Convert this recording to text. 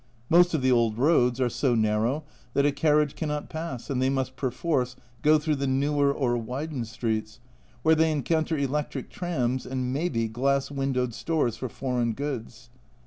Most of the old roads are so narrow that a carriage cannot pass, and they must perforce go through the newer or widened streets, where they encounter electric trams and maybe glass windowed stores for "Foreign Goods."